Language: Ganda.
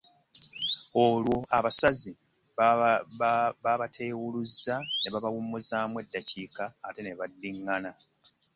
Olwo abasazi babateewuluza ne babawummuzaamu eddakiika ate ne baddingana.